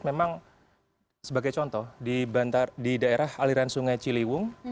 memang sebagai contoh di daerah aliran sungai ciliwung